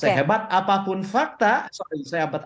sehebat apapun fakta sorry sehebat